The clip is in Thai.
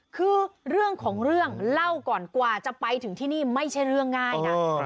คือเรื่องของเรื่องเล่าก่อนกว่าจะไปถึงที่นี่ไม่ใช่เรื่องง่ายนะ